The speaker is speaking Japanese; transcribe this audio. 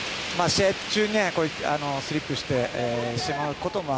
試合中にスリップしてしまうことも